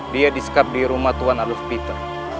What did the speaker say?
dia disekap di rumah tuan adolf peter